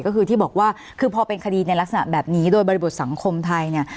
ก็คือที่บอกว่าคือพอเป็นคดีในลักษณะแบบนี้โดยบริบทสังคมไทยเนี่ย